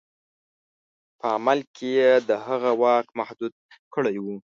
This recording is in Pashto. په عمل کې یې د هغه واک محدود کړی وو.